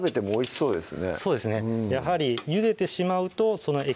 そうですね